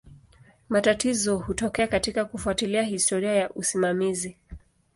Matatizo hutokea katika kufuatilia historia ya usimamizi.